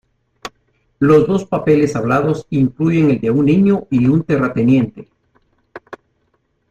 Los dos papeles hablados incluyen el de un niño y un terrateniente.